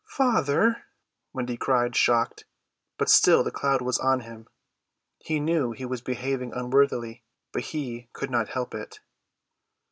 "Father!" Wendy cried, shocked; but still the cloud was on him. He knew he was behaving unworthily, but he could not help it.